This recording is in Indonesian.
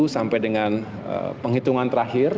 sampai dengan penghitungan terakhir